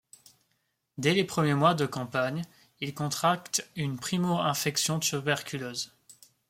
Dès les premiers mois de campagne, il contracte une primo-infection tuberculeuse.